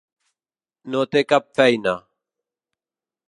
No té cap feina.